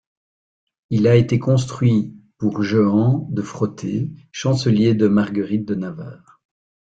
Il a été construit pour Jehan de Frotté, chancelier de Marguerite de Navarre.